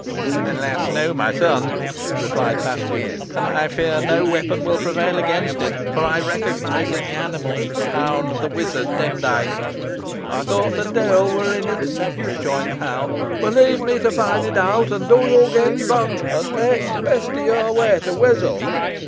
"Alas! no, my son," replied Paslew, "and I fear no weapon will prevail against it, for I recognise in the animal the hound of the wizard, Demdike." "Ey thowt t' dule wur in it," rejoined Hal; "boh leave me to fight it owt, and do you gain t' bonk, an mey t' best o' your way to t' Wiswall.